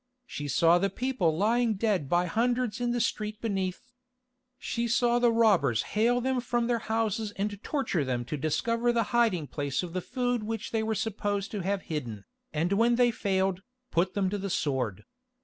She saw the people lying dead by hundreds in the streets beneath. She saw the robbers hale them from their houses and torture them to discover the hiding place of the food which they were supposed to have hidden, and when they failed, put them to the sword.